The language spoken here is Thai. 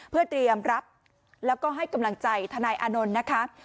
เพื่อเตรียมรับแล้วก็ให้กำลังใจทนายอานนท์นะคะ